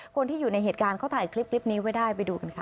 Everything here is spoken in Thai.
คนที่อยู่ในเหตุการณ์เขาถ่ายคลิปนี้ไว้ได้ไปดูกันค่ะ